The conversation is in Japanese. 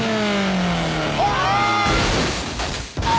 ああ。